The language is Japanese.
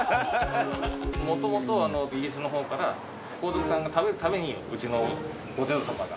元々はイギリスのほうから皇族方が食べるためにうちのご先祖様が。